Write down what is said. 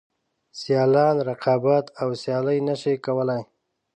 سیالان رقابت او سیالي نشي کولای.